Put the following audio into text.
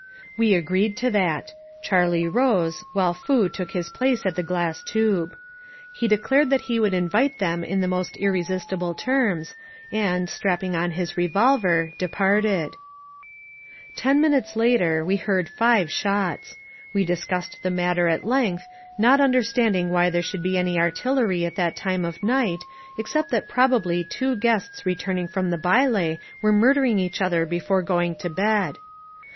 ^ We agreed to that. Charlie rose, while Foo took his place at the glass tube. He declared that he would invite them in the most irresistible terms, and, strap ping on his revolver, disappeared. HAPPY VALLEY Ten minutes later we heard five shots. We dis cussed the matter at length, not understanding why there should be any artillery at that time of night, ex cept that probably two guests returning from the baile were murdering each other before going to bed.